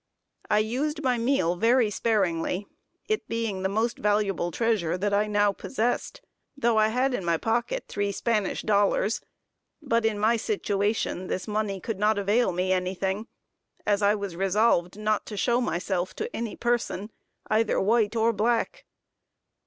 I used my meal very sparingly, it being the most valuable treasure that I now possessed; though I had in my pocket three Spanish dollars; but in my situation, this money could not avail me any thing, as I was resolved not to show myself to any person, either white or black.